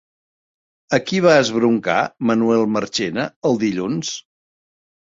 A qui va esbroncar Manuel Marchena el dilluns?